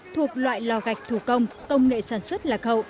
thuộc loại lò gạch thủ công công nghệ sản xuất lạc hậu